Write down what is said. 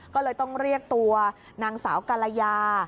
ก็เลยต้องเรียกตัวนางสาวกรยา